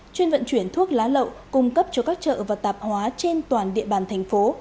chuyên vận chuyển thuốc lá lậu cung cấp cho các chợ và tạp hóa trên toàn địa bàn thành phố